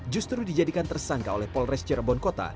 justru dijadikan tersangka oleh polres cirebon kota